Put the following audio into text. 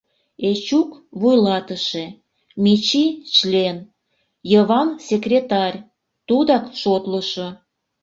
Эчук — вуйлатыше, Мичи — член, Йыван — секретарь, тудак шотлышо.